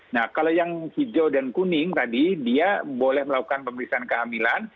nah kalau yang hijau dan kuning tadi dia boleh melakukan pemeriksaan kehamilan